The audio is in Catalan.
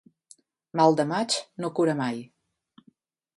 Mal de maig no cura mai.